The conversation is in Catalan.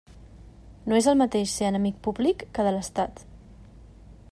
No és el mateix ser enemic públic que de l'estat.